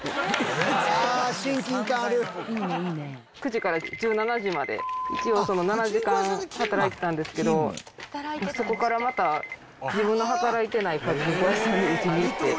９時から１７時まで一応７時間働いてたんですけどそこからまた自分の働いてないパチンコ屋さんに打ちに行って。